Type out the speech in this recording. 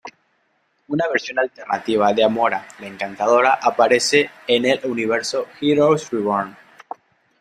Una versión alternativa de Amora la Encantadora aparece en el universo Heroes Reborn.